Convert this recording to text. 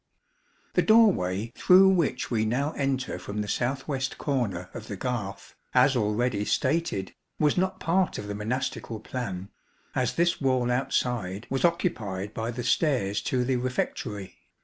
The doorway through which we now enter from the south west corner of the garth, as already stated, was not part of the monastical plan, as this wall outside was occupied by the stairs to the refectory.